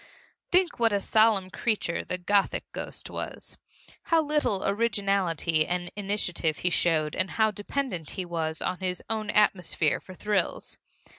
Think what a solemn creature the Gothic ghost was! How little originality and initiative he showed and how dependent he was on his own atmosphere for thrills!